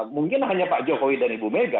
mungkin hanya pak jokowi dan ibu mega